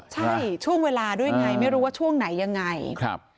ใช่ช่วงเวลาด้วยไงไม่รู้ว่าช่วงไหนยังไงครับ